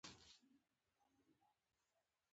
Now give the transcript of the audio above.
څو پيسې مې وګټلې؛ احمد سترګې سرې کړې.